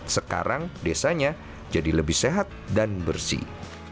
sekarang desanya jadi lebih sehat dan bersih